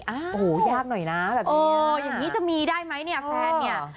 โอ้โหยากหน่อยนะแบบนี้อย่างนี้จะมีได้ไหมเนี่ยแฟนเนี่ย